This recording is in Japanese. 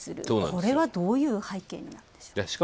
これは、どういう背景なんでしょうか。